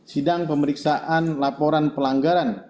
sidang pemeriksaan laporan pelanggaran